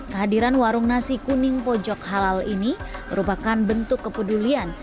kehadiran warung nasi kuning pojok halal ini merupakan bentuk kepedulian